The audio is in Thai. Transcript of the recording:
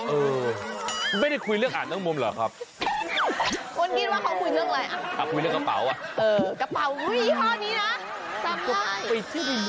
ก็ไม่ได้คุยเรื่องอ่านนมหมสเหรอ๒๒๒